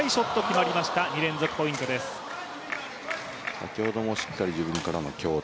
先ほどもしっかり自分からの強打。